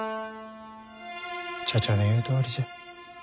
茶々の言うとおりじゃ。